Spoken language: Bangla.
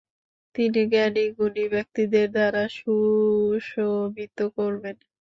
তিনি জ্ঞাণী-গুণী ব্যক্তিদের দ্বারা সুশোভিত করবেন।